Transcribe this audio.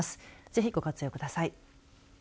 ぜひ、ご活用ください。